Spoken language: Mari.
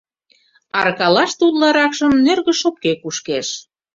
Аркалаште утларакшым нӧргӧ шопке кушкеш.